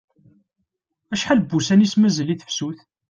Acḥal n wussan i as-d-mazal i tefsut?